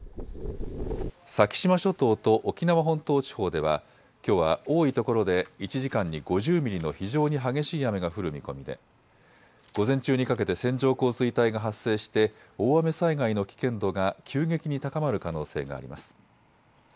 先島諸島と沖縄本島地方ではきょうは多いところで１時間に５０ミリの非常に激しい雨が降る見込みで午前中にかけて線状降水帯が発生して大雨災害の危険度が急激に高まる可能性があります。